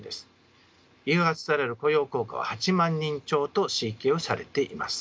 誘発される雇用効果は８万人超と推計をされています。